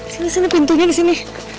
disini pintunya disini